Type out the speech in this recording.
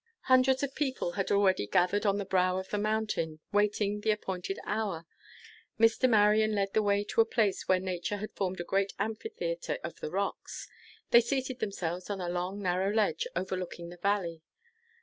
Hundreds of people had already gathered on the brow of the mountain, waiting the appointed hour. Mr. Marion led the way to a place where nature had formed a great amphitheater of the rocks. They seated themselves on a long, narrow ledge, overlooking the valley.